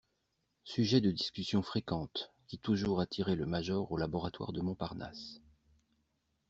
Sujet de discussions fréquentes qui toujours attirait le major au laboratoire de Montparnasse.